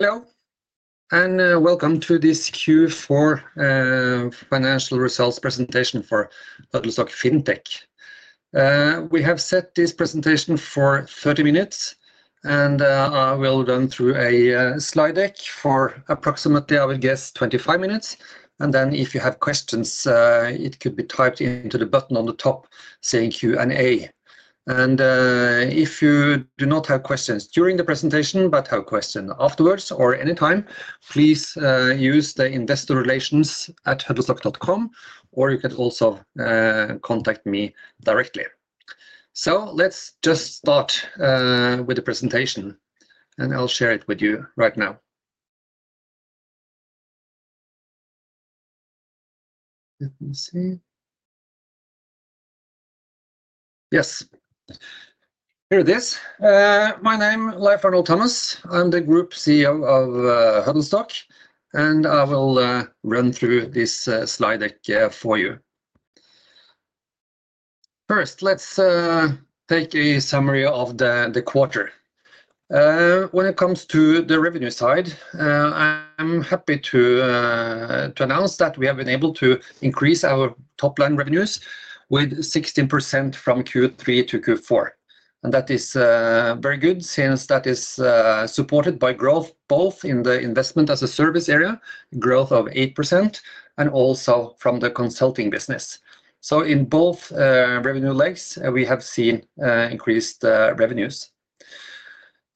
Hello, and welcome to this Q4 Financial Results presentation for Huddlestock Fintech. We have set this presentation for 30 minutes, and I will run through a slide deck for approximately, I would guess, 25 minutes. If you have questions, it could be typed into the button on the top, saying Q&A. If you do not have questions during the presentation but have questions afterwards or any time, please use the investorrelations@huddlestock.com, or you can also contact me directly. Let's just start with the presentation, and I'll share it with you right now. Let me see. Yes. Here it is. My name is Leif Arnold Thomas. I'm the Group CEO of Huddlestock, and I will run through this slide deck for you. First, let's take a summary of the quarter. When it comes to the revenue side, I'm happy to announce that we have been able to increase our top-line revenues with 16% from Q3 to Q4. That is very good since that is supported by growth both in the Investment-as-a-Service area, growth of 8%, and also from the consulting business. In both revenue legs, we have seen increased revenues.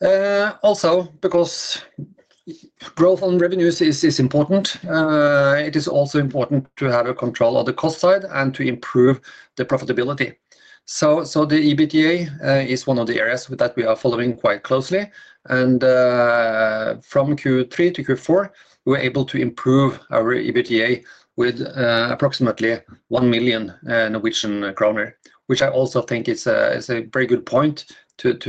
Also, because growth on revenues is important, it is also important to have control of the cost side and to improve the profitability. The EBITDA is one of the areas that we are following quite closely. From Q3 to Q4, we were able to improve our EBITDA with approximately 1 million Norwegian kroner, which I also think is a very good point and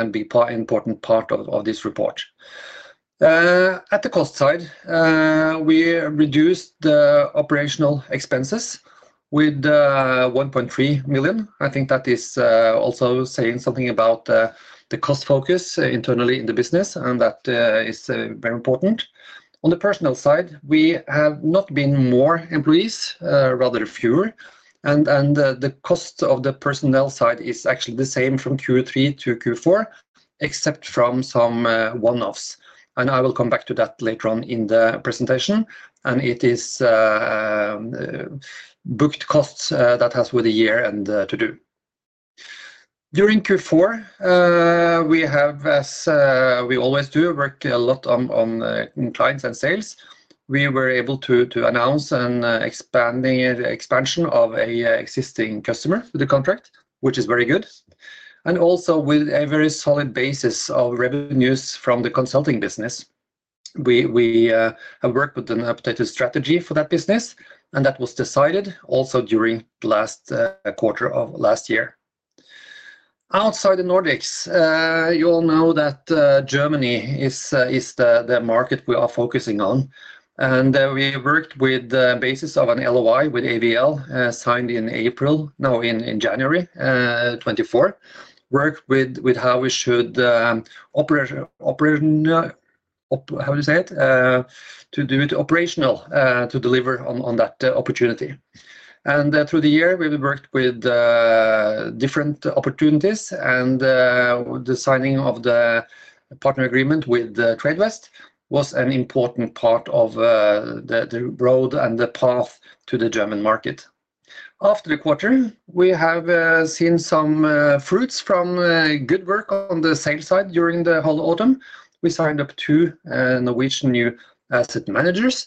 an important part of this report. At the cost side, we reduced the operational expenses with 1.3 million. I think that is also saying something about the cost focus internally in the business, and that is very important. On the personnel side, we have not been more employees, rather fewer. The cost of the personnel side is actually the same from Q3 to Q4, except for some one-offs. I will come back to that later on in the presentation. It is booked costs that have with the year-end to do. During Q4, we have, as we always do, worked a lot on clients and sales. We were able to announce an expansion of an existing customer with the contract, which is very good. Also, with a very solid basis of revenues from the consulting business. We have worked with an updated strategy for that business, and that was decided also during the last quarter of last year. Outside the Nordics, you all know that Germany is the market we are focusing on. We worked with the basis of an LOI with AVL signed in April, now in January 2024, worked with how we should operate, how do you say it, to do it operational, to deliver on that opportunity. Through the year, we worked with different opportunities, and the signing of the partner agreement with Tradevest was an important part of the road and the path to the German market. After the quarter, we have seen some fruits from good work on the sales side during the whole autumn. We signed up two Norwegian new asset managers.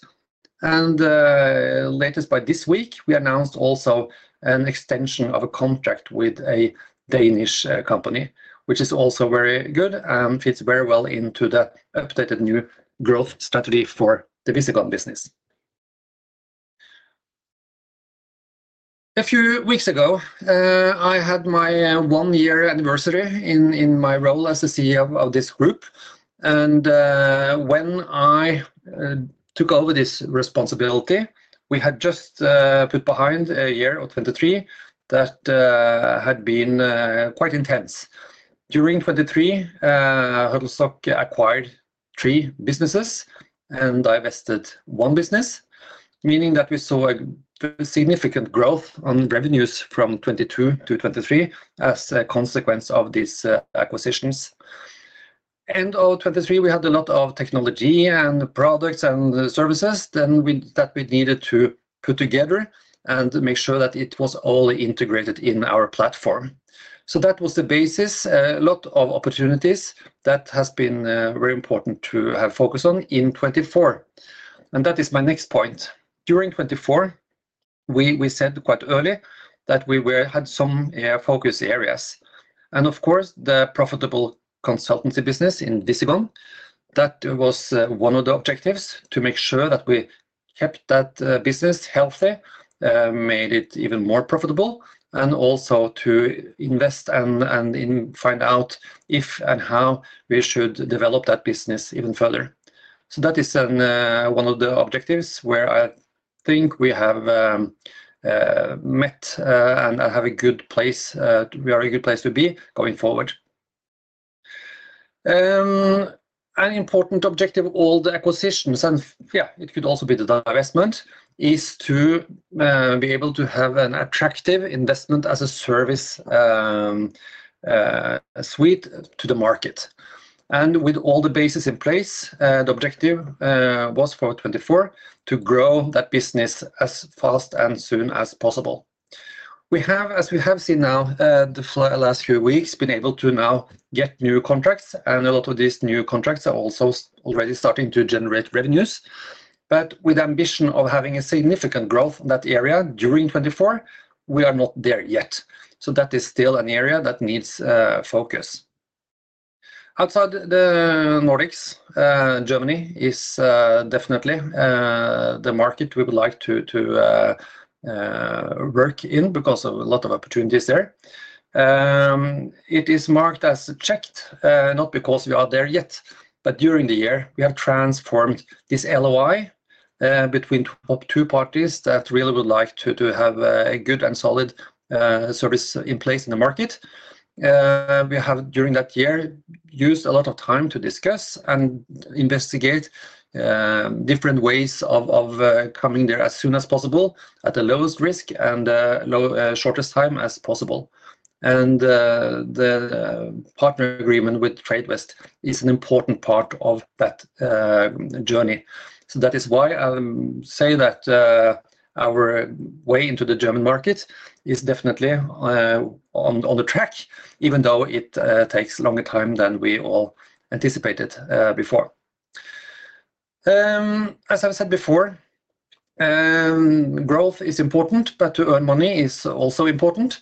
Latest by this week, we announced also an extension of a contract with a Danish company, which is also very good and fits very well into the updated new growth strategy for the Visigon business. A few weeks ago, I had my one-year anniversary in my role as the CEO of this group. When I took over this responsibility, we had just put behind a year or 2023 that had been quite intense. During 2023, Huddlestock acquired three businesses and divested one business, meaning that we saw a significant growth on revenues from 2022 to 2023 as a consequence of these acquisitions. End of 2023, we had a lot of technology and products and services that we needed to put together and make sure that it was all integrated in our platform. That was the basis, a lot of opportunities that have been very important to have focus on in 2024. That is my next point. During 2024, we said quite early that we had some focus areas. Of course, the profitable consultancy business in Visigon, that was one of the objectives to make sure that we kept that business healthy, made it even more profitable, and also to invest and find out if and how we should develop that business even further. That is one of the objectives where I think we have met and have a good place, a very good place to be going forward. An important objective of all the acquisitions, and yeah, it could also be the divestment, is to be able to have an attractive Investment-as-a-Service suite to the market. With all the bases in place, the objective was for 2024 to grow that business as fast and soon as possible. We have, as we have seen now the last few weeks, been able to now get new contracts, and a lot of these new contracts are also already starting to generate revenues. With the ambition of having a significant growth in that area during 2024, we are not there yet. That is still an area that needs focus. Outside the Nordics, Germany is definitely the market we would like to work in because of a lot of opportunities there. It is marked as checked, not because we are there yet, but during the year, we have transformed this LOI between two parties that really would like to have a good and solid service in place in the market. We have, during that year, used a lot of time to discuss and investigate different ways of coming there as soon as possible at the lowest risk and shortest time as possible. The partner agreement with Tradevest is an important part of that journey. That is why I say that our way into the German market is definitely on the track, even though it takes longer time than we all anticipated before. As I've said before, growth is important, but to earn money is also important.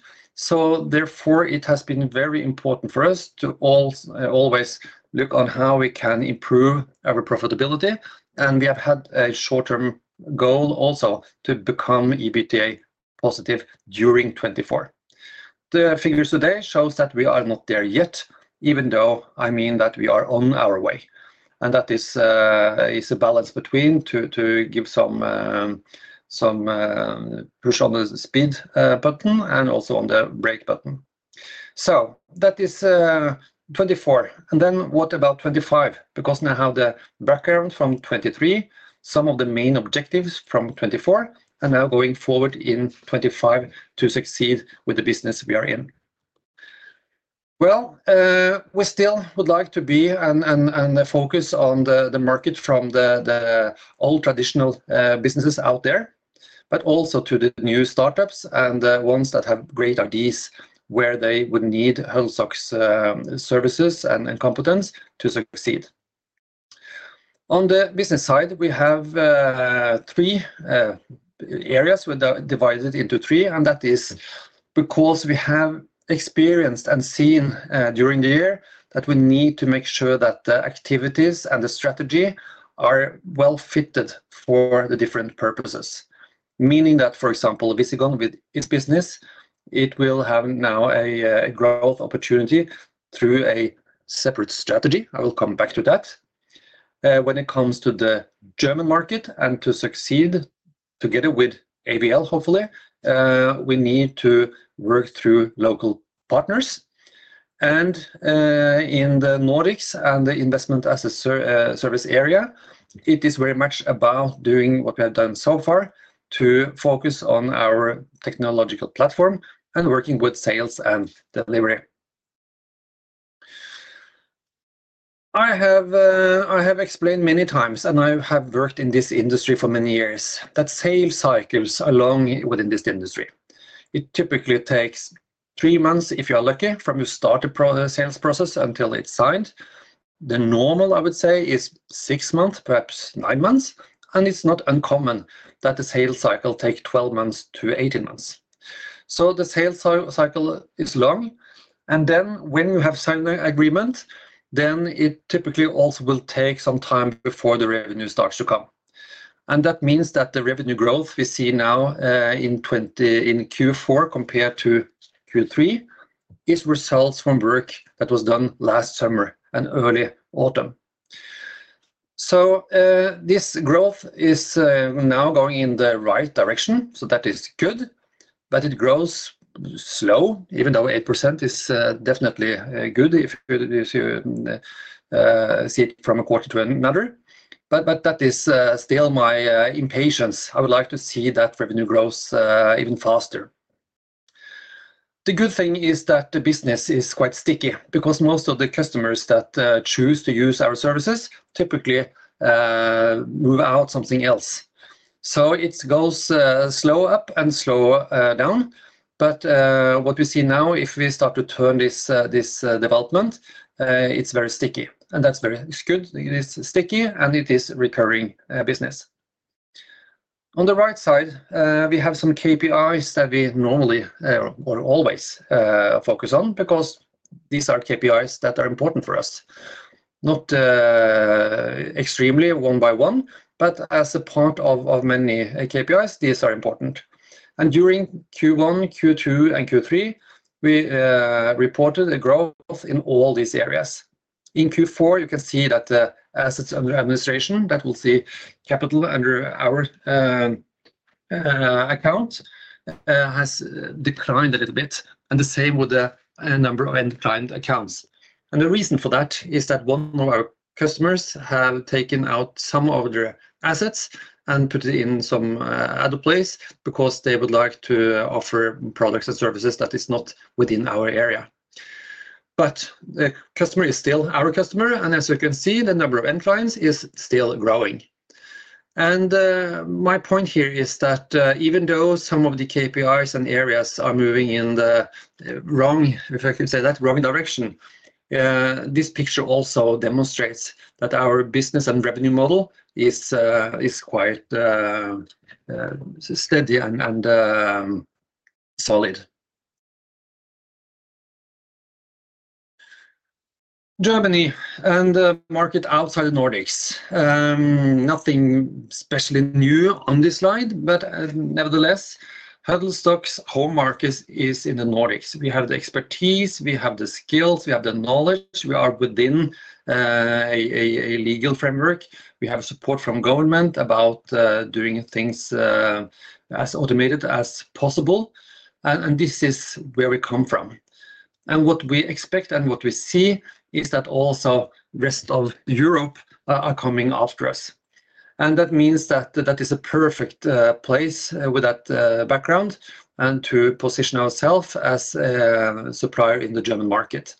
Therefore, it has been very important for us to always look on how we can improve our profitability. We have had a short-term goal also to become EBITDA positive during 2024. The figures today show that we are not there yet, even though I mean that we are on our way. That is a balance between to give some push on the speed button and also on the brake button. That is 2024. What about 2025? Because now the background from 2023, some of the main objectives from 2024, and now going forward in 2025 to succeed with the business we are in. We still would like to be and focus on the market from the old traditional businesses out there, but also to the new startups and ones that have great ideas where they would need Huddlestock's services and competence to succeed. On the business side, we have three areas divided into three, and that is because we have experienced and seen during the year that we need to make sure that the activities and the strategy are well fitted for the different purposes. Meaning that, for example, Visigon with its business, it will have now a growth opportunity through a separate strategy. I will come back to that. When it comes to the German market and to succeed together with AVL, hopefully, we need to work through local partners. In the Nordics and the Investment-as-a-Service area, it is very much about doing what we have done so far to focus on our technological platform and working with sales and delivery. I have explained many times, and I have worked in this industry for many years, that sales cycles are long within this industry. It typically takes three months if you are lucky from your startup sales process until it's signed. The normal, I would say, is six months, perhaps nine months, and it's not uncommon that the sales cycle takes 12 months to 18 months. The sales cycle is long, and then when you have signed an agreement, it typically also will take some time before the revenue starts to come. That means that the revenue growth we see now in Q4 compared to Q3 is results from work that was done last summer and early autumn. This growth is now going in the right direction, so that is good, but it grows slow, even though 8% is definitely good if you see it from a quarter to another. That is still my impatience. I would like to see that revenue grows even faster. The good thing is that the business is quite sticky because most of the customers that choose to use our services typically move out something else. It goes slow up and slow down, but what we see now, if we start to turn this development, it's very sticky. That's very good. It is sticky, and it is recurring business. On the right side, we have some KPIs that we normally or always focus on because these are KPIs that are important for us. Not extremely one by one, but as a part of many KPIs, these are important. During Q1, Q2, and Q3, we reported a growth in all these areas. In Q4, you can see that the assets under administration that we'll see capital under our account has declined a little bit, and the same with the number of end client accounts. The reason for that is that one of our customers has taken out some of their assets and put it in some other place because they would like to offer products and services that are not within our area. The customer is still our customer, and as you can see, the number of end clients is still growing. My point here is that even though some of the KPIs and areas are moving in the wrong, if I can say that, wrong direction, this picture also demonstrates that our business and revenue model is quite steady and solid. Germany and the market outside the Nordics. Nothing especially new on this slide, nevertheless, Huddlestock's home market is in the Nordics. We have the expertise, we have the skills, we have the knowledge. We are within a legal framework. We have support from government about doing things as automated as possible. This is where we come from. What we expect and what we see is that also the rest of Europe are coming after us. That means that is a perfect place with that background to position ourselves as a supplier in the German market.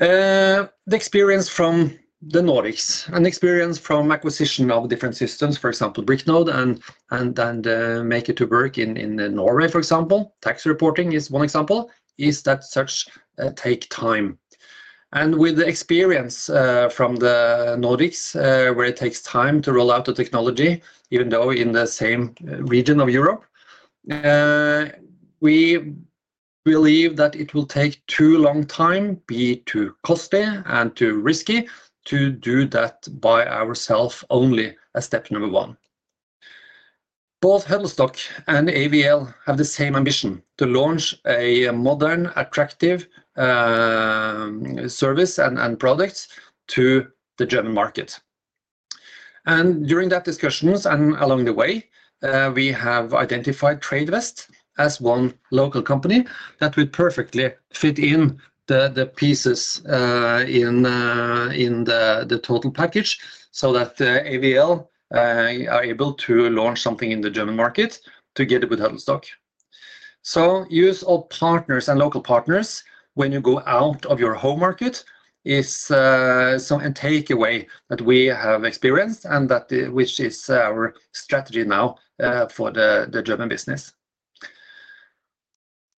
The experience from the Nordics and the experience from acquisition of different systems, for example, Bricknode, and make it to work in Norway, for example, tax reporting is one example, is that such take time. With the experience from the Nordics, where it takes time to roll out the technology, even though in the same region of Europe, we believe that it will take too long time, be too costly, and too risky to do that by ourselves only as step number one. Both Huddlestock and AVL have the same ambition to launch a modern, attractive service and products to the German market. During that discussions and along the way, we have identified Tradevest as one local company that would perfectly fit in the pieces in the total package so that AVL are able to launch something in the German market together with Huddlestock. Use our partners and local partners when you go out of your home market is some takeaway that we have experienced and which is our strategy now for the German business.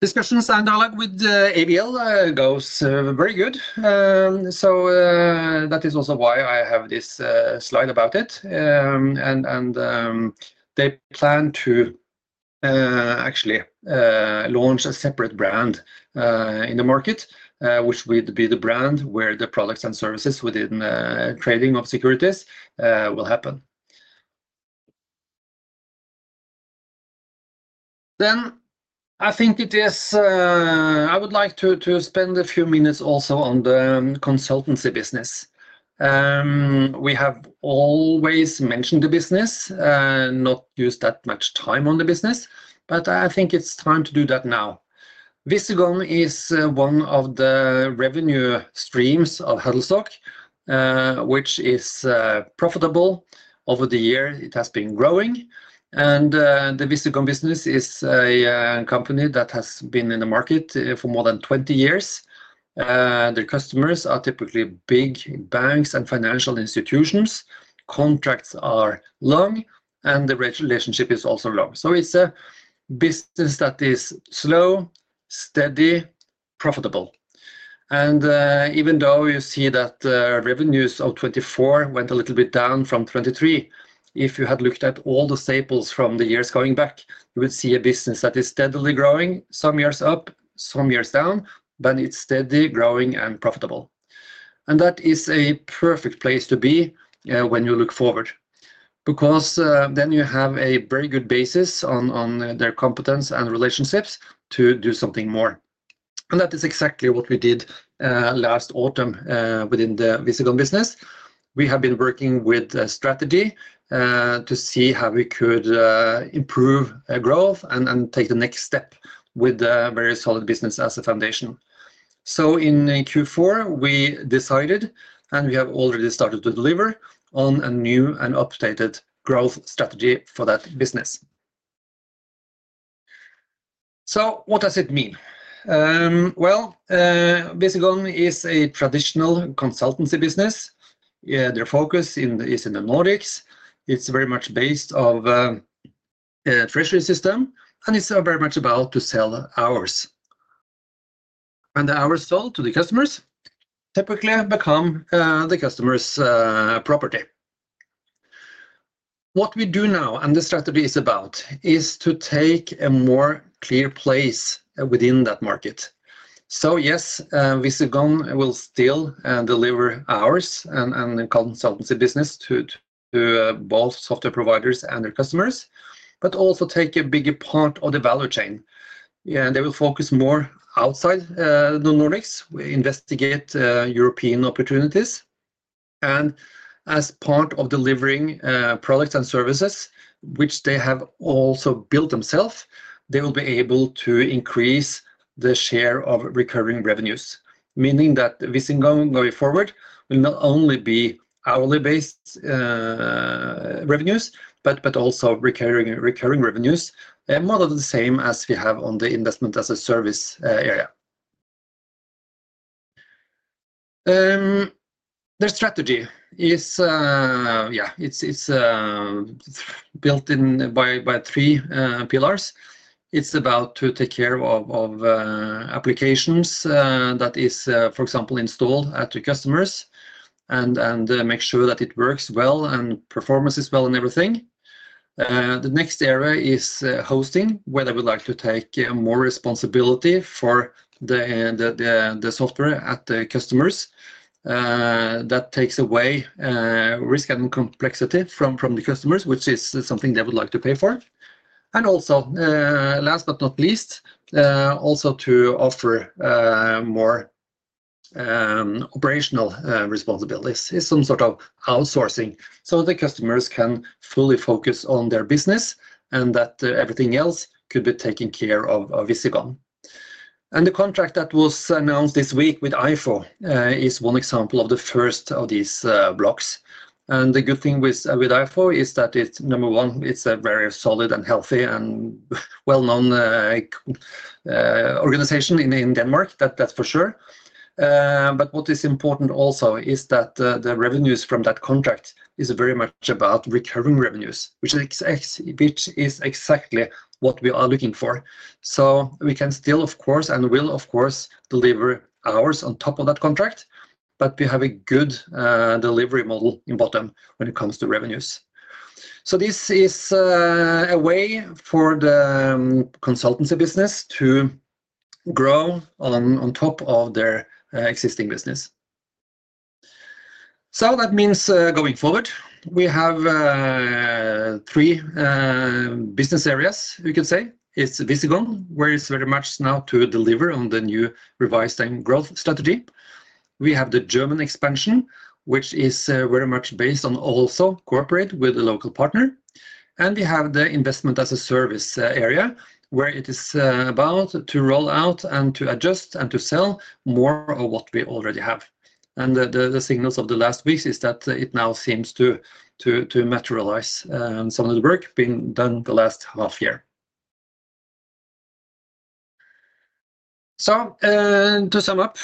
Discussions and dialogue with AVL goes very good. That is also why I have this slide about it. They plan to actually launch a separate brand in the market, which would be the brand where the products and services within trading of securities will happen. I think it is I would like to spend a few minutes also on the consultancy business. We have always mentioned the business, not used that much time on the business, but I think it's time to do that now. Visigon is one of the revenue streams of Huddlestock, which is profitable over the year. It has been growing. The Visigon business is a company that has been in the market for more than 20 years. Their customers are typically big banks and financial institutions. Contracts are long, and the relationship is also long. It is a business that is slow, steady, profitable. Even though you see that revenues of 2024 went a little bit down from 2023, if you had looked at all the staples from the years going back, you would see a business that is steadily growing, some years up, some years down, but it is steady, growing, and profitable. That is a perfect place to be when you look forward because then you have a very good basis on their competence and relationships to do something more. That is exactly what we did last autumn within the Visigon business. We have been working with a strategy to see how we could improve growth and take the next step with a very solid business as a foundation. In Q4, we decided, and we have already started to deliver on a new and updated growth strategy for that business. What does it mean? Visigon is a traditional consultancy business. Their focus is in the Nordics. It is very much based on a treasury system, and it is very much about to sell hours. The hours sold to the customers typically become the customer's property. What we do now, and the strategy is about, is to take a more clear place within that market. Yes, Visigon will still deliver hours and consultancy business to both software providers and their customers, but also take a bigger part of the value chain. They will focus more outside the Nordics. We investigate European opportunities. As part of delivering products and services, which they have also built themselves, they will be able to increase the share of recurring revenues, meaning that Visigon going forward will not only be hourly-based revenues, but also recurring revenues, more of the same as we have on the Investment-as-a-Service area. Their strategy is, yeah, it's built in by three pillars. It's about to take care of applications that is, for example, installed at the customers and make sure that it works well and performance is well and everything. The next area is hosting, where they would like to take more responsibility for the software at the customers. That takes away risk and complexity from the customers, which is something they would like to pay for. Also, last but not least, also to offer more operational responsibilities. It's some sort of outsourcing so the customers can fully focus on their business and that everything else could be taken care of by Visigon. The contract that was announced this week with EIFO is one example of the first of these blocks. The good thing with EIFO is that, number one, it's a very solid and healthy and well-known organization in Denmark, that's for sure. What is important also is that the revenues from that contract are very much about recurring revenues, which is exactly what we are looking for. We can still, of course, and will, of course, deliver hours on top of that contract, but we have a good delivery model in bottom when it comes to revenues. This is a way for the consultancy business to grow on top of their existing business. That means going forward, we have three business areas, we could say. It's Visigon, where it's very much now to deliver on the new revised growth strategy. We have the German expansion, which is very much based on also cooperate with the local partner. We have the Investment-as-a-Service area, where it is about to roll out and to adjust and to sell more of what we already have. The signals of the last weeks is that it now seems to materialize some of the work being done the last half year. To sum up,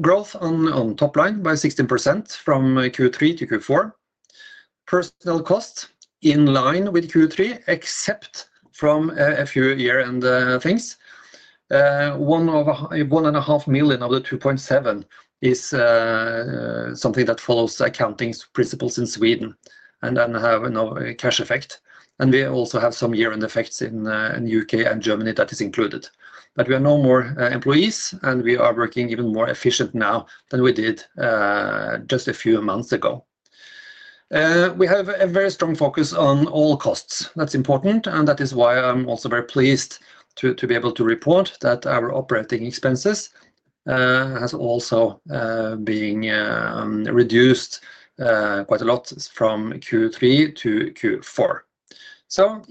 growth on top line by 16% from Q3 to Q4. Personnel costs in line with Q3, except from a few year-end things. 1.5 million of the 2.7 million is something that follows accounting principles in Sweden and then have no cash effect. We also have some year-end effects in the U.K. and Germany that is included. We are no more employees, and we are working even more efficient now than we did just a few months ago. We have a very strong focus on all costs. That is important, and that is why I am also very pleased to be able to report that our operating expenses has also been reduced quite a lot from Q3 to Q4.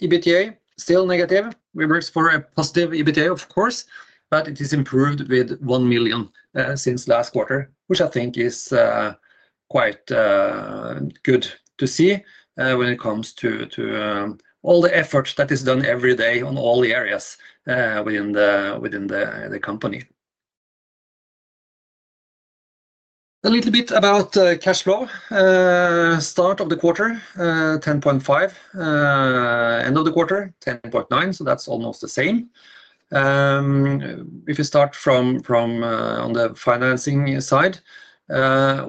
EBITDA still negative. We work for a positive EBITDA, of course, but it is improved with 1 million since last quarter, which I think is quite good to see when it comes to all the effort that is done every day on all the areas within the company. A little bit about cash flow. Start of the quarter, 10.5 million. End of the quarter, 10.9 million, so that is almost the same. If you start from the financing side,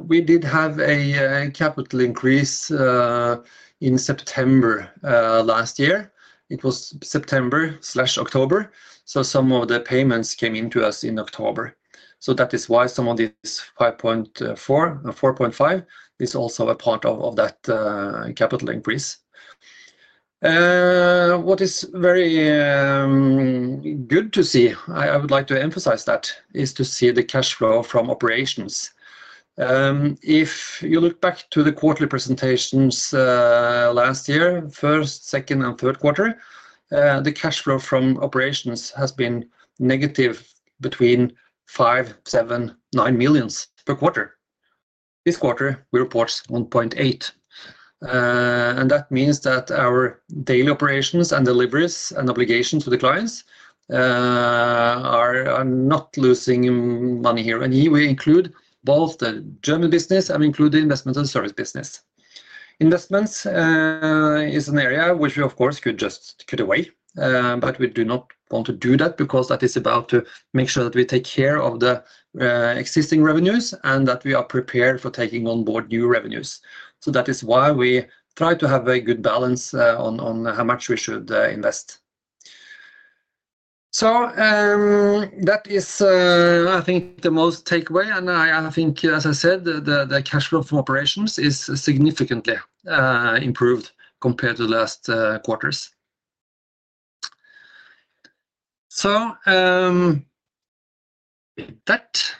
we did have a capital increase in September last year. It was September/October, so some of the payments came into us in October. That is why some of this 5.4 million, 4.5 million is also a part of that capital increase. What is very good to see, I would like to emphasize that, is to see the cash flow from operations. If you look back to the quarterly presentations last year, first, second, and third quarter, the cash flow from operations has been negative between 5 million-7 million-NOK 9 million per quarter. This quarter, we report 1.8 million. That means that our daily operations and deliveries and obligations to the clients are not losing money here. We include both the German business and include the Investment-as-a-Service business. Investments is an area which we, of course, could just cut away, but we do not want to do that because that is about to make sure that we take care of the existing revenues and that we are prepared for taking on board new revenues. That is why we try to have a good balance on how much we should invest. That is, I think, the most takeaway. I think, as I said, the cash flow from operations is significantly improved compared to the last quarters. With that,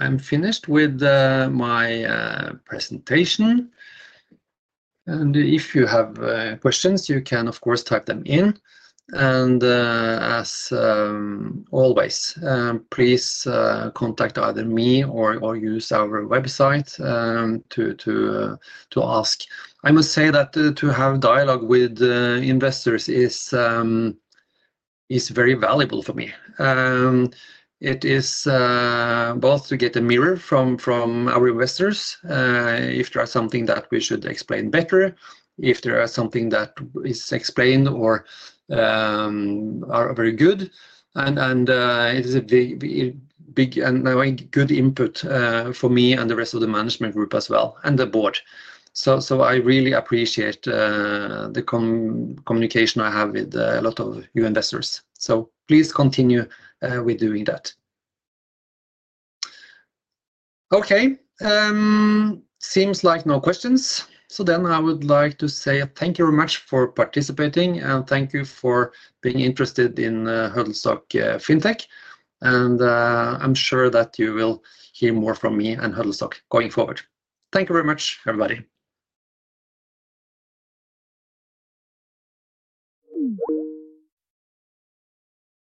I'm finished with my presentation. If you have questions, you can, of course, type them in. As always, please contact either me or use our website to ask. I must say that to have dialogue with investors is very valuable for me. It is both to get a mirror from our investors if there is something that we should explain better, if there is something that is explained or very good. It is a big and good input for me and the rest of the management group as well and the board. I really appreciate the communication I have with a lot of you investors. Please continue with doing that. Okay. Seems like no questions. I would like to say thank you very much for participating and thank you for being interested in Huddlestock Fintech. I'm sure that you will hear more from me and Huddlestock going forward. Thank you very much, everybody.